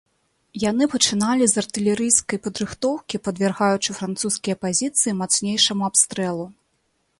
Яны пачыналі з артылерыйскай падрыхтоўкі, падвяргаючы французскія пазіцыі мацнейшаму абстрэлу.